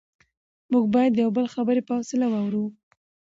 موږ باید د یو بل خبرې په حوصله واورو